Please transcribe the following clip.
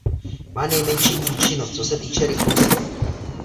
Má nejmenší účinnost co se týče rychlosti.